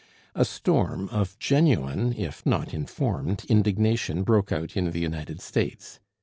A storm of genuine if not informed indignation broke out in the United States.